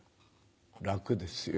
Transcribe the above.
楽ですよ。